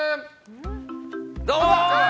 どうも！